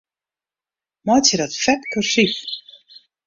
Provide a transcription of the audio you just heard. Meitsje dat fet kursyf.